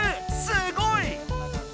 すごい！